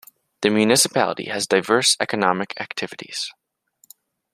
The municipality has diverse economic activities.